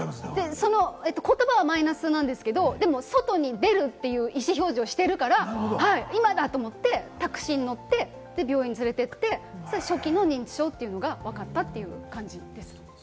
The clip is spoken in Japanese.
となって、言葉はマイナスなんですけれども、外に出るという意思表示をしているから今だと思って、タクシーに乗って病院に連れて行って、初期の認知症というのがわかったという感じです。